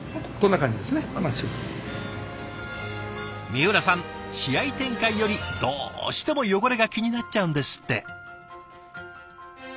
三浦さん試合展開よりどうしても汚れが気になっちゃうんですって。